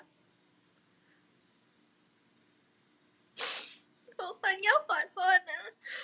ทุกคนก็ขอโทษนะ